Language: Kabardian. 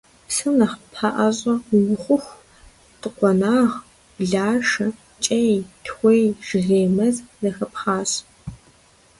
Псым нэхъ пэӀэщӀэ ухъуху дыкъуэнагъ, блашэ, кӀей, тхуей, жыгей мэз зэхэпхъащ.